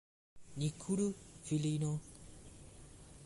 Ni kuru, filino!